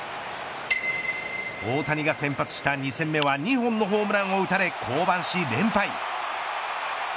大谷が先発した２戦目は２本のホームランを打たれ降板し連敗。